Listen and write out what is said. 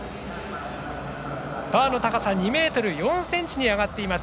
バーの高さ２ｍ４ｃｍに上がっています。